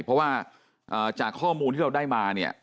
เพราะว่าจากข้อมูลที่เราได้มาเนี่ย